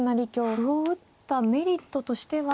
歩を打ったメリットとしては。